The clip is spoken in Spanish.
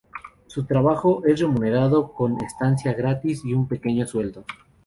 Su trabajo es remunerado con estancia gratis y un pequeño sueldo.